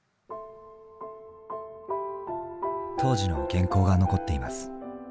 当時の原稿が残っています。